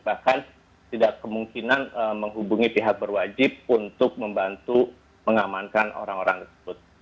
bahkan tidak kemungkinan menghubungi pihak berwajib untuk membantu mengamankan orang orang tersebut